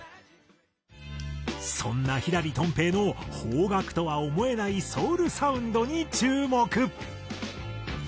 そんな左とん平の邦楽とは思えないソウルサウンドに注目。